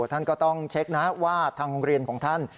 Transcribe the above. ท่านก็ต้องเช็คนะว่าทางโรงเรียนของท่าน